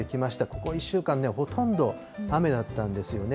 ここ１週間、ほとんど雨だったんですよね。